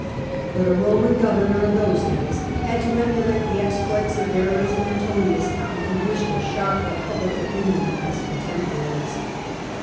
But a Eoman governor of those days had to emulate the exploits of Verres and Antonins if he wished to shock the public opinion of his contemporaries.